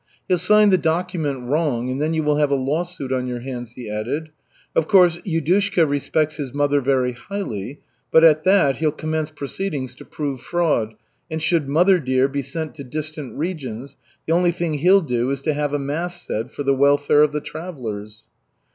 "He'll sign the document wrong and then you will have a lawsuit on your hands," he added. "Of course, Yudushka respects his mother very highly, but, at that, he'll commence proceedings to prove fraud, and should 'mother dear' be sent to distant regions, the only thing he'll do is to have a mass said for the welfare of the travellers."